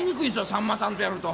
さんまさんとやると。